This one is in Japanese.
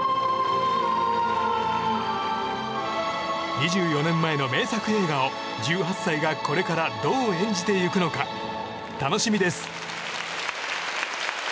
２４年前の名作映画を１８歳がこれから、どう演じてゆくのか楽しみです。